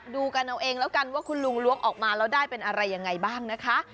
ดูกันเอาเองแล้วกันว่าคุณลุงล้วงออกมาแล้วได้เป็นอะไรยังไงบ้างนะคะ